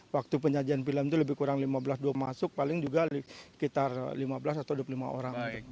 waktu penyajian film itu lebih kurang lima belas dua masuk paling juga sekitar lima belas atau dua puluh lima orang